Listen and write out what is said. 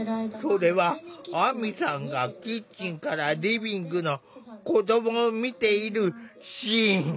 それは亜美さんがキッチンからリビングの子どもを見ているシーン。